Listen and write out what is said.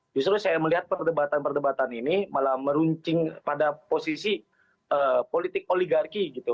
justru saya melihat perdebatan perdebatan ini malah meruncing pada posisi politik oligarki gitu